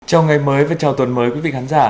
trong ngày mới và chào tuần mới quý vị khán giả